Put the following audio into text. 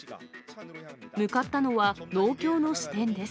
向かったのは、農協の支店です。